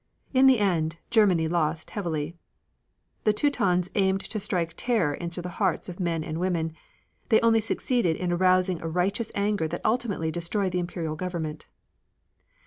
In the end, Germany lost heavily. The Teutons aimed to strike terror into the hearts of men and women. They only succeeded in arousing a righteous anger that ultimately destroyed the Imperial government.